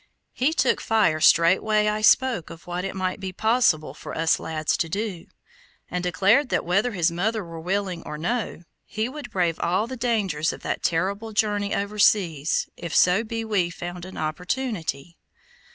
He took fire straightway I spoke of what it might be possible for us lads to do, and declared that whether his mother were willing or no, he would brave all the dangers of that terrible journey overseas, if so be we found an opportunity.